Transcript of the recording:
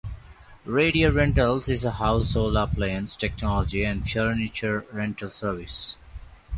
Radio Rentals is a household appliance, technology and furniture rental service.